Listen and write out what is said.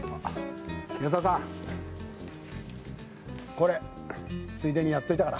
これついでにやっといたから。